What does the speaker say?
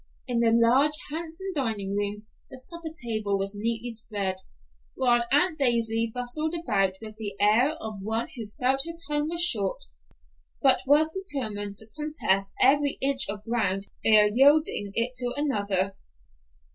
In the large, handsome dining room, the supper table was neatly spread, while Aunt Dilsey bustled about with the air of one who felt her time was short, but was determined to contest every inch of ground ere yielding it to another.